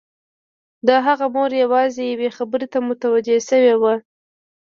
د هغه مور یوازې یوې خبرې ته متوجه شوې وه